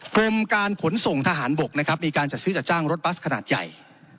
กรมการขนส่งทหารบกนะครับมีการจัดซื้อจัดจ้างรถบัสขนาดใหญ่